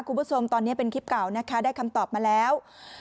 คุณผู้ชมตอนนี้เป็นคลิปเก่านะคะได้คำตอบมาแล้ว